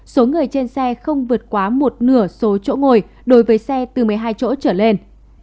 số người trên xe không vượt quá một nửa số chỗ ngồi đối với xe từ một mươi hai chỗ trở lên